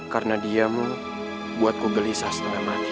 karena diamu buatku gelisah setengah mati